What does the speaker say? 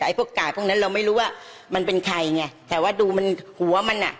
ไอ้พวกกาดพวกนั้นเราไม่รู้ว่ามันเป็นใครไงแต่ว่าดูมันหัวมันอ่ะ